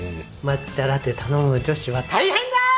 抹茶ラテ頼む女子は大変だー！